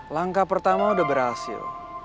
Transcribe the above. langkah pertama udah berhasil